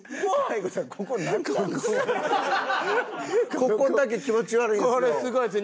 ここだけ気持ち悪いんですよ。